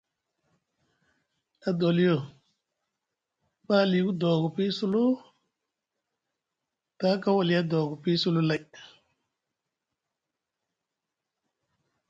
Adoliyo ɓa aliku doogo pii sulu taa kaw aliya doogo pii sulu lay.